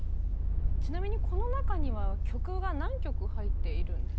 ちなみにこの中には曲が何曲入っているんですか？